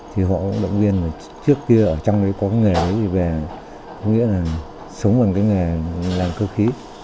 thì họ cũng động viên trước kia ở trong ấy có cái nghề gì về có nghĩa là sống bằng cái nghề làm cơ khí